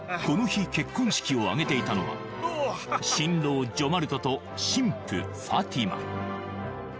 この日結婚式を挙げていたのは新郎・ジョマルトと新婦・ファティマ